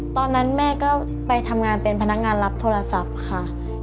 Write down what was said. ตอนนั้นแม่ก็ไปทำงานเป็นพนักงานรับโทรศัพท์ค่ะ